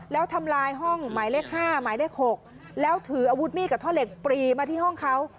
แล้วทำลายห้องหมายเลข๕หมายเลข๖แล้วถืออาวุธมีดกับท่อเหล็กปรีมาที่ห้องเขา